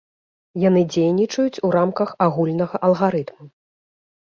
Яны дзейнічаюць у рамках агульнага алгарытму.